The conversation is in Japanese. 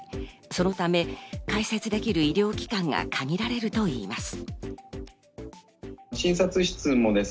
そのため開設できる医療機関が限られるといいます。